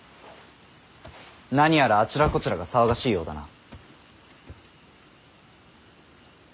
何やらあちらこちらが騒がしいようだな。